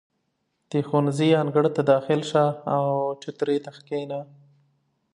• د ښوونځي انګړ ته داخل شه، او چوترې ته کښېنه.